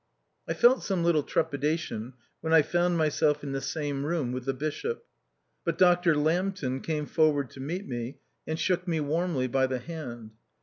I felt some little trepidation when I found myself in the same room with the bishop. But Dr. Lambton came forward to meet me, and shook me warmly by the hand.